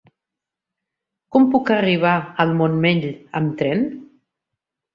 Com puc arribar al Montmell amb tren?